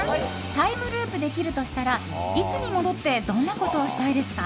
タイムループできるとしたらいつに戻ってどんなことをしたいですか？